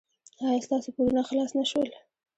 ایا ستاسو پورونه خلاص نه شول؟